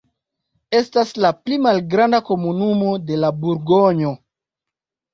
Estas la pli malgranda komunumo de la Burgonjo.